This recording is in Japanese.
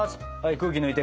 空気抜いて。